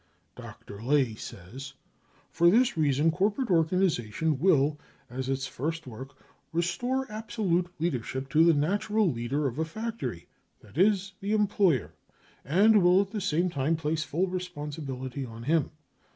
Dr. Ley says : "For this reason Corporate organisation will as its first work restore absolute leadership to the natural leader of a factory, that is, the employer, and will at the same time place full responsibility on him.